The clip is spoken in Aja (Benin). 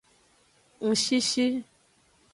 Ngshishi.